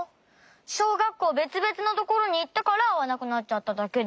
しょうがっこうべつべつのところにいったからあわなくなっちゃっただけで。